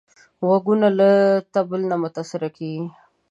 غوږونه له طبل نه متاثره کېږي